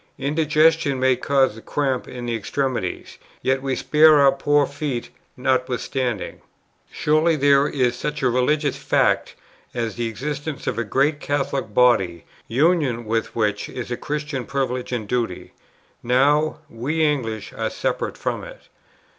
Indigestion may cause cramp in the extremities; yet we spare our poor feet notwithstanding. Surely there is such a religious fact as the existence of a great Catholic body, union with which is a Christian privilege and duty. Now, we English are separate from it."